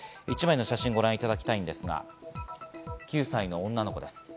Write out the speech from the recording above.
一枚の写真をご覧いただきたいんですが、９歳の女の子です。